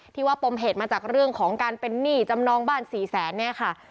ที่ว่าปมเหตุมาจากเรื่องของการเป็นหนี้จำนองบ้านสี่แสนเนี่ยค่ะ